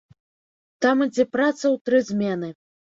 Там ідзе праца ў тры змены.